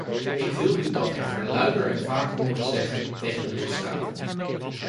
Ik wil u dat echter luider en vaker horen zeggen tegen de lidstaten.